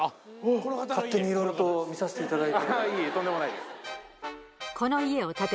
勝手にいろいろと見させていただいて。